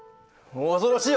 恐ろしいよ